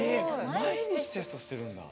毎日テストしてるんだ！